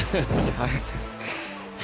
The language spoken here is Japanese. ありがとうございます。